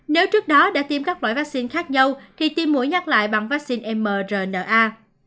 nếu trước đó đã tiêm các loại vaccine khác nhau thì tiêm mũi nhắc lại bằng vaccine mrna